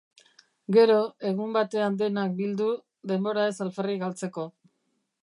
Gero, egun batean denak bildu, denbora ez alferrik galtzeko.